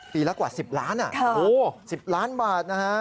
ปีละกว่า๑๐ล้านบาท